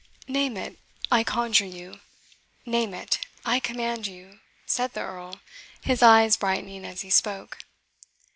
"Name it, I conjure you name it, I command you!" said the Earl, his eyes brightening as he spoke.